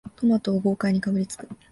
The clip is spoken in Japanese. トマトを豪快にかぶりつく